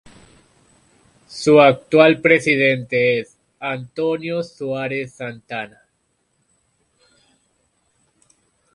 Su actual presidente es Antonio Suárez Santana.